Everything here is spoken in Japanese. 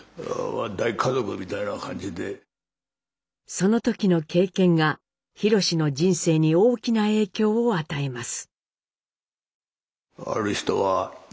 その時の経験が宏の人生に大きな影響を与えます。